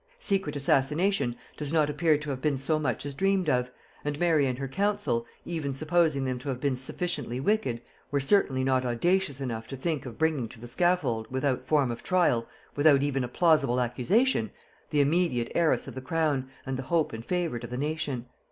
Secret assassination does not appear to have been so much as dreamed of, and Mary and her council, even supposing them to have been sufficiently wicked, were certainly not audacious enough to think of bringing to the scaffold, without form of trial, without even a plausible accusation, the immediate heiress of the crown, and the hope and favorite of the nation.